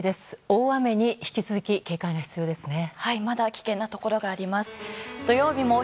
大雨に引き続き警戒が必要ですね。